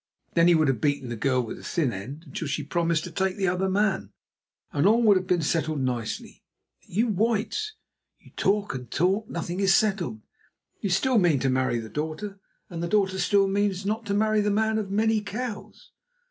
Then he would have beaten the girl with the thin end until she promised to take the other man, and all would have been settled nicely. But you Whites, you talk and talk, and nothing is settled. You still mean to marry the daughter, and the daughter still means not to marry the man of many cows.